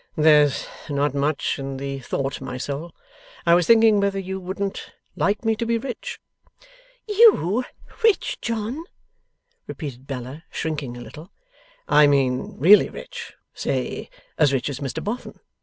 'There's not much in the thought, my soul. I was thinking whether you wouldn't like me to be rich?' 'You rich, John?' repeated Bella, shrinking a little. 'I mean, really rich. Say, as rich as Mr Boffin.